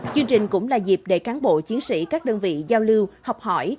chương trình cũng là dịp để cán bộ chiến sĩ các đơn vị giao lưu học hỏi